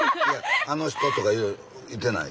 「あの人」とかいてない？